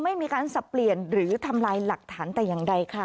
ไม่มีการสับเปลี่ยนหรือทำลายหลักฐานแต่อย่างใดค่ะ